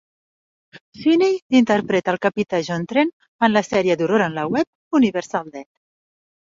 Sweeney interpreta al capità John Trent en la sèrie d'horror en la web, "Universal Dead".